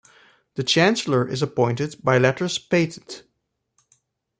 The chancellor is appointed by letters patent.